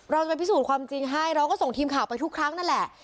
เราจะไปพิสูจน์ความจริงให้เราก็ส่งทีมข่าวไปทุกครั้งนั่นแหละ